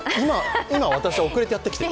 今、私、遅れてやってきてる？